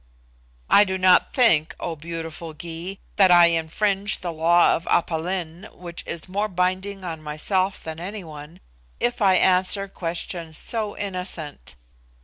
"I do not think, O beautiful Gy, that I infringe the law of Aph Lin, which is more binding on myself than any one, if I answer questions so innocent.